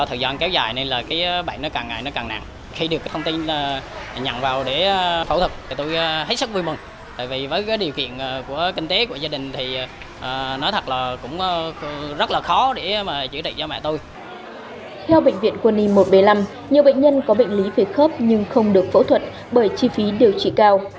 theo bệnh viện quân y một trăm bảy mươi năm nhiều bệnh nhân có bệnh lý vệ khớp nhưng không được phẫu thuật bởi chi phí điều trị cao